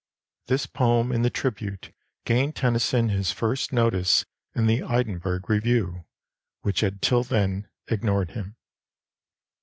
This poem in The Tribute gained Tennyson his first notice in the Edinburgh Review, which had till then ignored him.